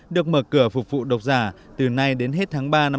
được mở cửa phục vụ độc giả từ nay đến hết tháng ba năm hai nghìn một mươi chín